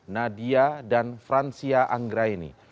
nadia dan francia anggraini